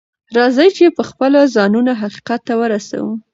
راځئ چې پخپله ځانونه حقيقت ته ورسوو.